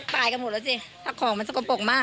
พักของมันสกระปกมาก